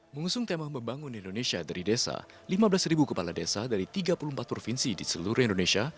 mengusung tema membangun indonesia dari desa lima belas kepala desa dari tiga puluh empat provinsi di seluruh indonesia